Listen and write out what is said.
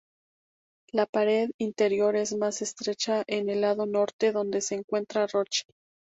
La pared interior es más estrecha en el lado norte, donde se encuentra Roche.